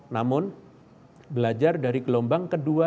namun belajar dari gelombang kedua